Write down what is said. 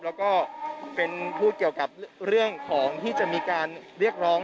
แล้วก็เป็นพูดเกี่ยวกับเรื่องของที่จะมีการเรียกร้อง